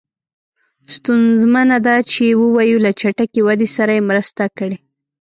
ستونزمنه ده چې ووایو له چټکې ودې سره یې مرسته کړې.